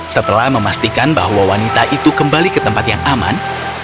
setelah memastikan bahwa wanita itu kembali ke tempat yang aman